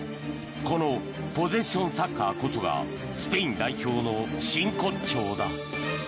このポゼッションサッカーこそがスペイン代表の真骨頂だ。